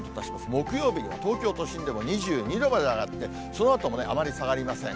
木曜日が東京都心でも２２度まで上がって、そのあともあまり下がりません。